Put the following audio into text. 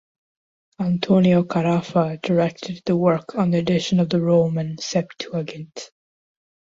Antonio Carafa directed the work on the edition of the Roman Septuagint.